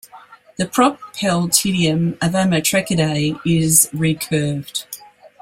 The propeltidium of Ammotrechidae is recurved.